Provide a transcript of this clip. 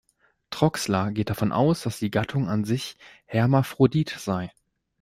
Troxler geht davon aus, dass die Gattung an sich Hermaphrodit sei.